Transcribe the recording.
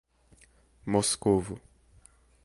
Moscovo